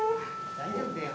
大丈夫だよ。